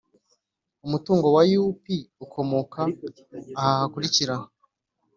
Umutungo wa U P ukomoka aha hakurikira